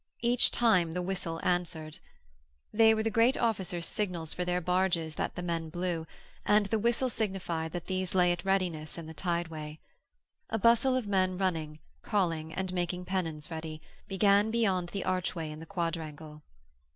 Each time the whistle answered. They were the great officers' signals for their barges that the men blew, and the whistle signified that these lay at readiness in the tideway. A bustle of men running, calling, and making pennons ready, began beyond the archway in the quadrangle.